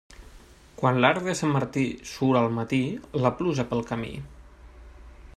Quan l'arc de Sant Martí surt al matí, la pluja pel camí.